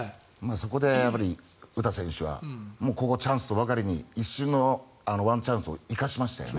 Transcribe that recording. そこで詩選手はここ、チャンスとばかりに一瞬のワンチャンスを生かしましたよね。